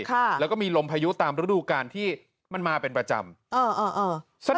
ค่ะแล้วก็มีลมพายุตามฤดูกาลที่มันมาเป็นประจำเออเออ